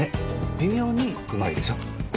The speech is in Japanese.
微妙に美味いでしょ。